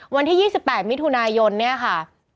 วันที่๒๘มิถุนายนเนี่ยค่ะ